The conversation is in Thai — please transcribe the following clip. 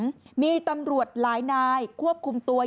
ตัดการหลังมีตำรวจหลายควบคลุมตัวค่ะ